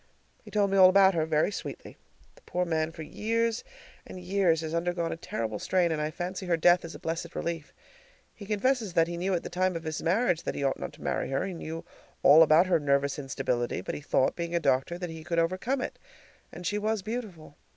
He told me all about her, very sweetly. The poor man for years and years has undergone a terrible strain, and I fancy her death is a blessed relief. He confesses that he knew at the time of his marriage that he ought not to marry her, he knew all about her nervous instability; but he thought, being a doctor, that he could overcome it, and she was beautiful!